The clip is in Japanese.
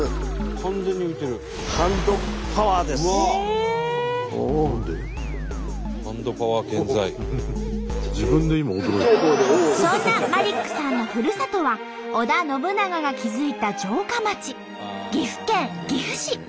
そんなマリックさんのふるさとは織田信長が築いた城下町岐阜県岐阜市。